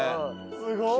すごい。